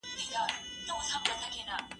زه بايد نان وخورم